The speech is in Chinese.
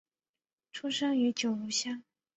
出生于九如乡。